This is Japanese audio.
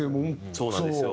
そうなんですよ。